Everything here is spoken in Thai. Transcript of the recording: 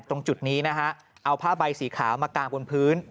ตรงจุดนี้นะฮะเอาผ้าใบสีขาวมากางบนพื้น